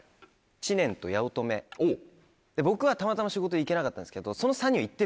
僕はたまたま仕事で行けなかったんですけどその。